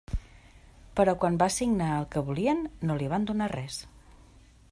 Però quan va signar el que volien, no li van donar res.